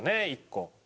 １個。